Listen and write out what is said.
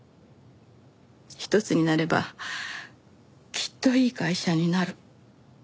一つになればきっといい会社になる。